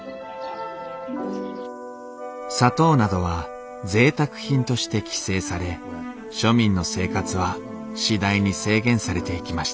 砂糖などはぜいたく品として規制され庶民の生活は次第に制限されていきました